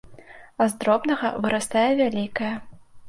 А з дробнага вырастае вялікае.